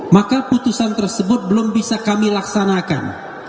maka putusan tersebut belum bisa kami laksanakan